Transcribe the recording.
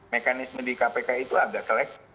mekanisme di kpk itu ada selek